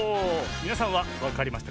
みなさんはわかりましたか？